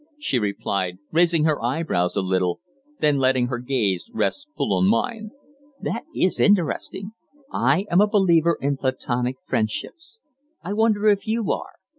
she replied, raising her eyebrows a little, then letting her gaze rest full on mine. "That is interesting. I am a believer in platonic friendships. I wonder if you are."